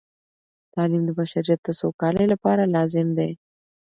تعلیم د بشریت د سوکالۍ لپاره لازم دی.